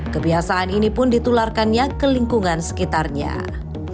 kebiasaan ini pun ditularkannya ke lingkungan sekitar rumah